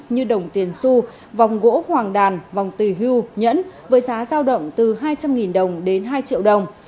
như đồng tiền su vòng gỗ hoàng đàn vòng từ hưu nhẫn với giá giao động từ hai trăm linh đồng đến hai triệu đồng